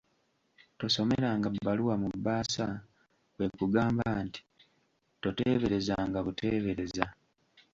Tosomeranga bbaluwa mu bbaasa, kwe kugamba nti: Toteeberezanga buteebereza.